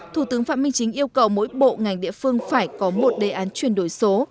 thủ tướng phạm minh chính yêu cầu mỗi bộ ngành địa phương phải có một đề án chuyển đổi số